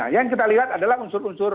yang kita lihat adalah unsur unsur